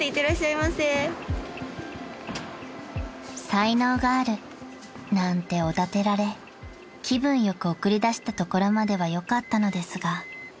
［「才能がある」なんておだてられ気分良く送り出したところまではよかったのですが］